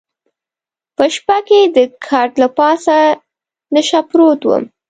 په شپه کې د کټ له پاسه نشه پروت وم.